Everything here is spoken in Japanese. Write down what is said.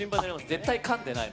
絶対かんでない。